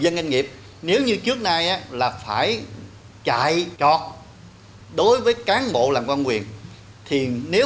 dân doanh nghiệp nếu như trước nay á là phải chạy trọt đối với cán bộ làm quan quyền thì nếu